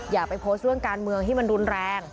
อย่าไปโพสต์เรื่องการเมืองที่มันรุนแรง